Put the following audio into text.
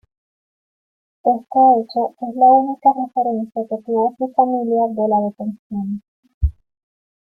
Este hecho es la única referencia que tuvo su familia de la detención.